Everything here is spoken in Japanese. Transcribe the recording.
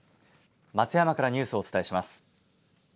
松山からニュースをお伝えします。